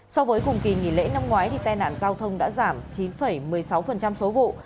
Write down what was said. so với cùng kỳ nghỉ lễ năm ngoái tai nạn giao thông đã giảm chín một mươi sáu số vụ